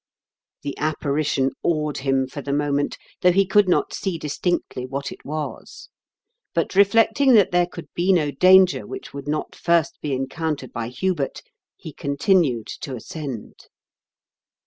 The apparition awed him for the moment, though he could not see distinctly what it was ; but reflecting that there could be no danger which would not first be encountered by Hubert, he continued to ascend.